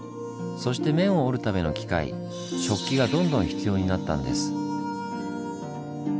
そして綿を織るための機械「織機」がどんどん必要になったんです。